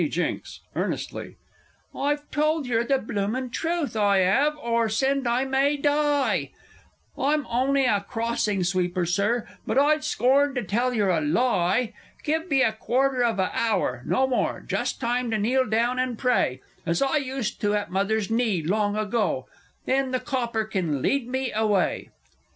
J._ (earnestly). I've told yer the bloomin' truth, I 'ave or send I may die! I'm on'y a Crossing sweeper, Sir, but I'd scorn to tell yer a lie! Give me a quarter of a hour no more just time to kneel down and pray, As I used to at mother's knee long ago then the Copper kin lead me away.